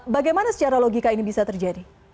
bagaimana secara logika ini bisa terjadi